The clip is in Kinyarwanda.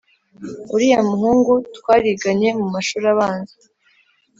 Uriya muhungu twariganye mumashuri abanza